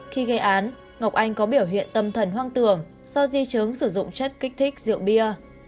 khi gây án ngọc anh có biểu hiện tâm thần hoang tường do di chứng sử dụng chất kích thích rượu bia